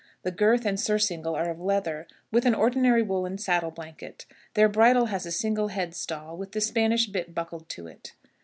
The girth and surcingle are of leather, with an ordinary woolen saddle blanket. Their bridle has a single head stall, with the Spanish bit buckled to it.